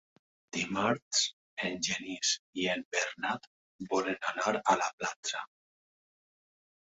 Dimarts en Genís i en Bernat volen anar a la platja.